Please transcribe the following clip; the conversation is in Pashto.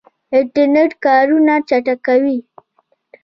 انټرنیټ کارونه چټکوي